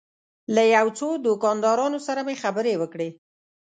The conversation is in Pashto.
له یو څو دوکاندارانو سره مې خبرې وکړې.